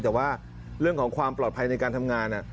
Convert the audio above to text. แต่ว่าเรื่องของความปลอดภัยในการทำงาน